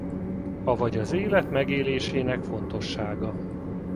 Avagy az élet megélésének fontossága.